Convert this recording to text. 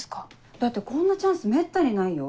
だってこんなチャンスめったにないよ？